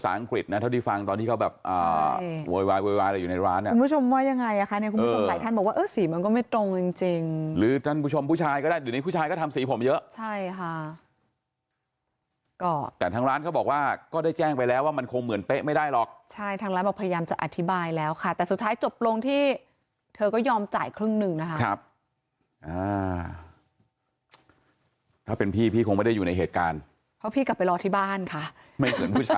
อังกฤษนะเท่าที่ฟังตอนที่เขาแบบอ่าโวยวายอยู่ในร้านน่ะคุณผู้ชมว่ายังไงอ่ะคะเนี่ยคุณผู้ชมหลายท่านบอกว่าเออสีมันก็ไม่ตรงจริงหรือท่านผู้ชมผู้ชายก็ได้หรือในผู้ชายก็ทำสีผมเยอะใช่ค่ะก็แต่ทางร้านเขาบอกว่าก็ได้แจ้งไปแล้วว่ามันคงเหมือนเป๊ะไม่ได้หรอกใช่ทางร้านบอกพยายามจะอธิบายแล้วค่